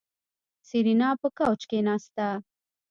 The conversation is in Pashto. سېرېنا په کوچ کېناسته.